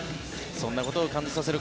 そんなことを感じさせる